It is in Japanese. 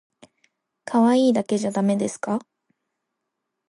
かわいいだけじゃだめですか？